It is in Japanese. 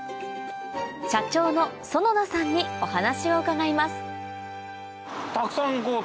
社長の園田さんにお話を伺いますたくさん。